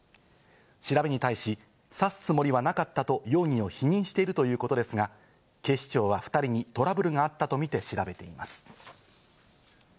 調べに対し、刺すつもりはなかったと容疑を否認しているということですが、警視庁は２人にトラブルがあったとみて調べています。